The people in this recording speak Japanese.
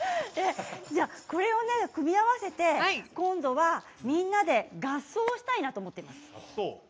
これを組み合わせて今度は、みんなで合奏したいなと思っているんです。